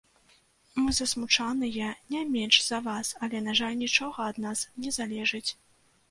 Мы засмучаныя не менш за вас, але на жаль нічога ад нас не залежыць.